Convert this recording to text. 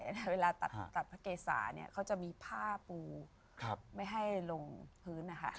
เวลาตัดพระเกสาจะมีผ้าปูไม่ให้ลงพื้น